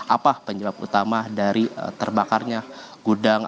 apa penyebab utama dari terbakarnya gudang